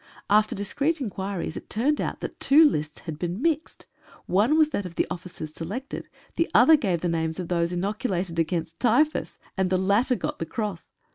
After discreet inquiries it turned out that two lists had been mixed. One was that of the officers selected — the other gave the names of those inoculated against typhus — and the latter got the Cross